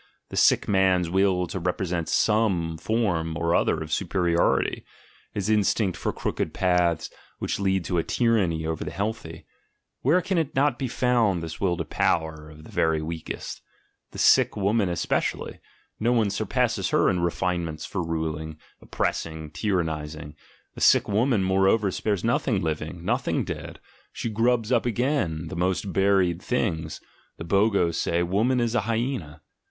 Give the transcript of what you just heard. The sick man's will to represent some form or other of superiority, his instinct for crooked paths, which lead to a tyranny over the healthy — where can it 130 THE GENEALOGY OF MORALS not be found, this will to power of the very weakest? The sick woman especially: no one surpasses her in re finements for ruling, oppressing, tyrannising. The sick woman, moreover, spares nothing living, nothing dead; she grubs up again the most buried things (the Bogos say, "Woman is a hyena").